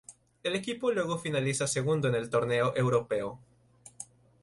El equipo luego finaliza segundo en el torneo europeo.